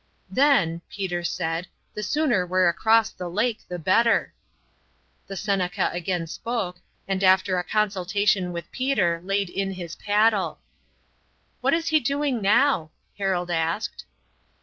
"Then," Peter said, "the sooner we're across the lake the better." The Seneca again spoke, and after a consultation with Peter laid in his paddle. "What is he doing now?" Harold asked.